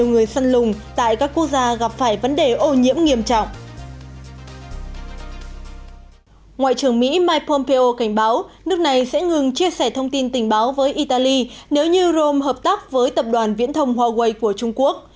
ngoại trưởng mỹ mike pompeo cảnh báo nước này sẽ ngừng chia sẻ thông tin tình báo với italy nếu như rome hợp tác với tập đoàn viễn thông huawei của trung quốc